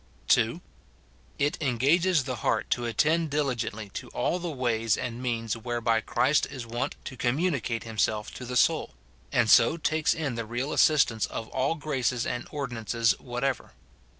[2.] It engages the heart to attend diligently to all the ways and means whereby Christ is wont to commu nicate himself to the soul ; and so takes in the real as sistance of all graces and ordinances whatever.